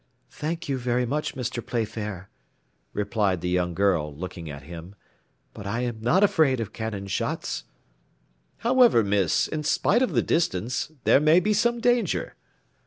"Thank you, very much, Mr. Playfair," replied the young girl, looking at him, "but I am not afraid of cannon shots." "However, miss, in spite of the distance, there may be some danger."